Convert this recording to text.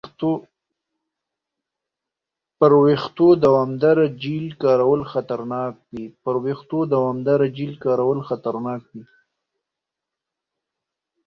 پر وېښتو دوامداره جیل کارول خطرناک دي.